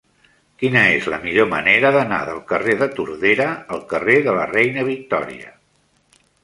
Quina és la millor manera d'anar del carrer de Tordera al carrer de la Reina Victòria?